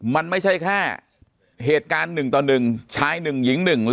มันไม่ใช่แค่เหตุการณ์หนึ่งต่อหนึ่งใช้หนึ่งหญิงหนึ่ง